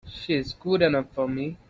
She's good enough for me!